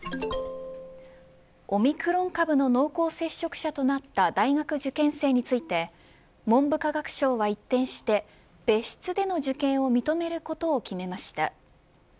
オミクロン株の濃厚接触者となった大学受験生について文部科学省は一転して別室での受験を認めることを決めました。